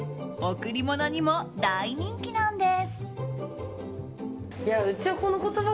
贈り物にも大人気なんです。